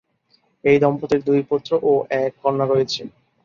এই দম্পতির দুই পুত্র ও এক কন্যা রয়েছে।